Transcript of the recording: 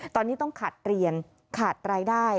ตอนนี้ต้องขาดเรียนขาดรายได้